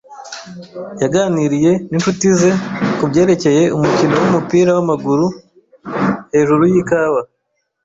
Yaganiriye ninshuti ze kubyerekeye umukino wumupira wamaguru hejuru yikawa.